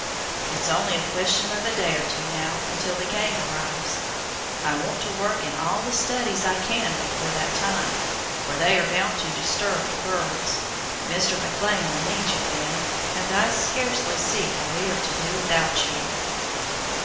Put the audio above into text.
It's only a question of a day or two now until the gang arrives. I want to work in all the studies I can before that time, for they are bound to disturb the birds. Mr. McLean will need you then, and I scarcely see how we are to do without you."